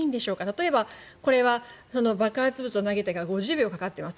例えば、これは爆発物を投げてから５０秒かかっています。